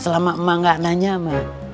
selama emak gak nanya mah